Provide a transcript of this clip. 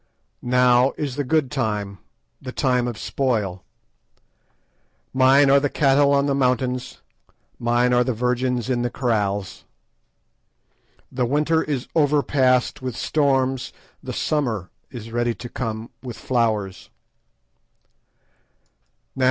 "Now is the good time, the time of spoil. "Mine are the cattle on the mountains, mine are the virgins in the kraals. "The winter is overpast with storms, the summer is come with flowers.